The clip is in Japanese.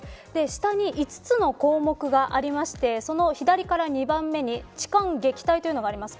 下に５つの項目がありましてその左から２番目に痴漢撃退というのがあります。